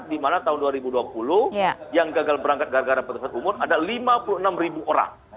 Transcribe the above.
dimana tahun dua ribu dua puluh yang gagal berangkat gara gara pemerintahan umur ada lima puluh enam orang